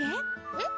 えっ？